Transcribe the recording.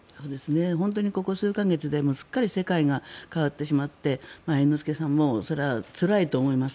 本当にここ数か月ですっかり世界が変わってしまって猿之助さんもそれはつらいと思います。